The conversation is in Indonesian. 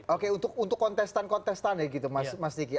oke untuk kontestan kontestan ya gitu mas diki